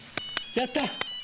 やった！